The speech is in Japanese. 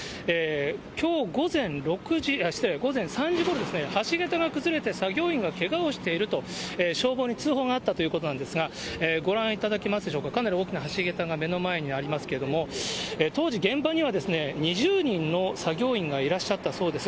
きょう午前３時ごろですね、橋桁が崩れて作業員がけがをしていると消防に通報があったということなんですが、ご覧いただけますでしょうか、かなり大きな橋桁がありますけれども、当時、現場には２０人の作業員がいらっしゃったそうです。